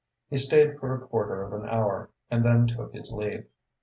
He stayed for a quarter of an hour and then took his leave.